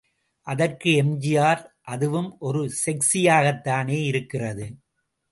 அதற்கு எம்.ஜி.ஆர். அதுவும் ஒரு செக்ஸியாகத் தானே இருக்கிறது.